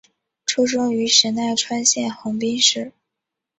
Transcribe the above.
出生于神奈川县横滨市。